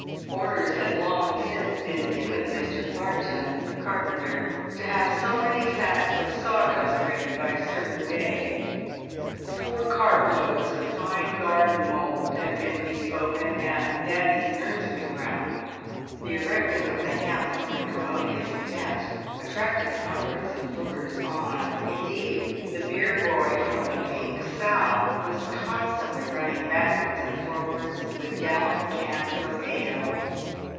Orders had long since been given to Mr. Barton, the carpenter, to have so many sacks of sawdust ready by a certain day. Eour cart loads of fine garden mould had been bespoken at Daddy's nursery ground. The erecting of the handsome and commodious tent at tracted hundreds of lookers on — indeed the beer boy from the " Pink Sow" was constantly running backwards and forwards with gallon cans of ale.